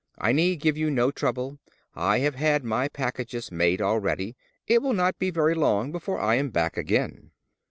I need give you no trouble; I have had my packages made already. It will not be very long before I am back again."